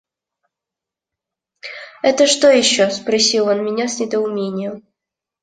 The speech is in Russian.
«Это что еще?» – спросил он меня с недоумением.